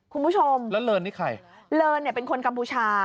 คุณผู้ชมแล้วเลินนี่ใครเลินเนี่ยเป็นคนกัมพูชา